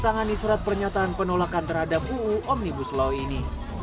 tidak bertangani syarat pernyataan penolakan terhadap uu omnibus law ini